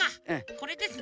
これですね。